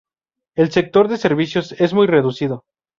El sector de servicios es muy reducido.